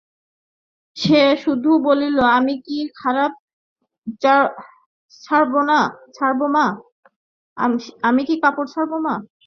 সে শুধু বলিল, আমি কি কাপড় ছাড়বো মা?